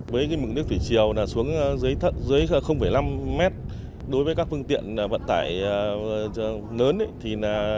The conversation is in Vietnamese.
với mực nước thủy triều xuống dưới năm m đối với các phương tiện vận tải lớn